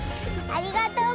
ありがとう！